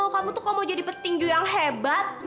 kamu tuh kamu mau jadi petinju yang hebat